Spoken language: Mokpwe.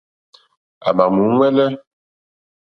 À mà mù úŋmɛ́lɛ́.